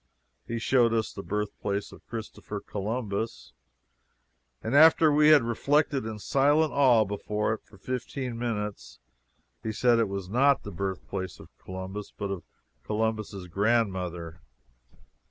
He showed us the birthplace of Christopher Columbus, and after we had reflected in silent awe before it for fifteen minutes, he said it was not the birthplace of Columbus, but of Columbus' grandmother!